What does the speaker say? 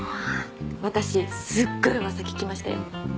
私すごい噂聞きましたよ。